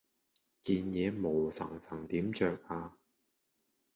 件嘢毛鬠鬠點著呀